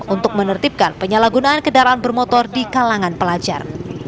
untuk menertibkan penyalahgunaan kendaraan bermotor di kalangan pelajar